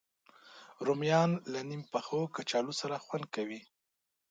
رومیان له نیم پخو کچالو سره خوند کوي